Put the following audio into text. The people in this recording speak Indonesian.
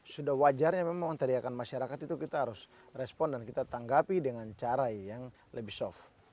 sudah wajarnya memang teriakan masyarakat itu kita harus respon dan kita tanggapi dengan cara yang lebih soft